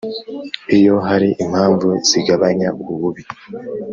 Iyo hari impamvu zigabanya ububi